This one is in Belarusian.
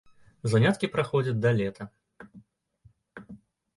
Заняткі праходзяць да лета.